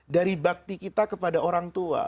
dari bakti kita kepada orang tua